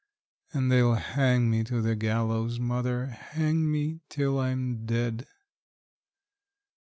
And they'll hang me to the gallows, mother hang me till I'm dead!